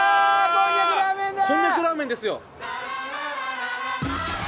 こんにゃくラーメンだー！